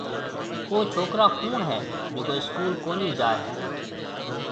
او ڇوڪرا ڪوُڻ هيَ جڪو اسڪول ڪونِي جائي هيَ۔